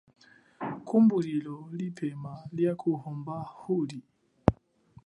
Kumbululo lipema lia kuhuma uli.